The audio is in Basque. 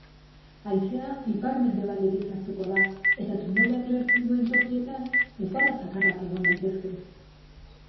Haizea ipar-mendebaldetik sartuko da eta trumoiak lehertzen duen tokietan ufada zakarrak egon daitezke.